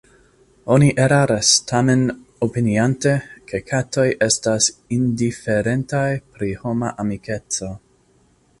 Oni eraras tamen opiniante, ke katoj estas indiferentaj pri homa amikeco.